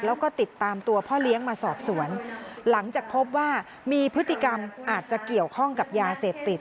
แล้วก็ติดตามตัวพ่อเลี้ยงมาสอบสวนหลังจากพบว่ามีพฤติกรรมอาจจะเกี่ยวข้องกับยาเสพติด